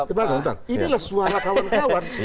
ini suara kawan kawan